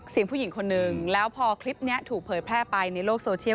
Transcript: ผู้หญิงคนนึงแล้วพอคลิปนี้ถูกเผยแพร่ไปในโลกโซเชียล